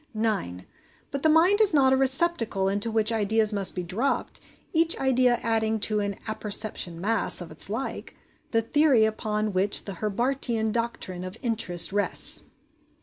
9. But the mind is not a receptacle into which ideas must be dropped, each idea adding to an ' apperception mass ' of its like, the theory upon which the Herbartian doctrine of interest rests.